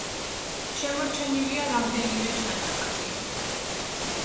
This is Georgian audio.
შემორჩენილია რამდენიმე ჩანახატი.